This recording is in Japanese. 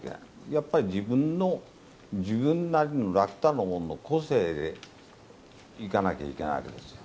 やっぱり自分の、自分なりの楽太郎の個性でいかなきゃいけないわけですよ。